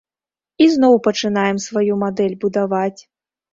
І зноў пачынаем сваю мадэль будаваць.